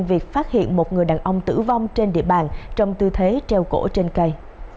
việc phát hiện một người đàn ông tử vong trên địa bàn trong tư thế treo cổ trên cây